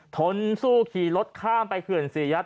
ทนสู้ขี่รถข้ามไปเขื่อนศรียัต